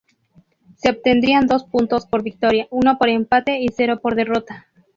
Se obtendrían dos puntos por victoria, uno por empate y cero por derrota.